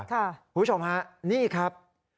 คุณผู้ชมฮะนี่ครับ